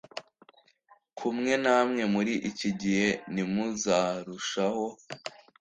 kumwe namwe muri iki gihe ntimuzarushaho